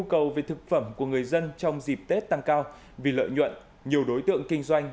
nhu cầu về thực phẩm của người dân trong dịp tết tăng cao vì lợi nhuận nhiều đối tượng kinh doanh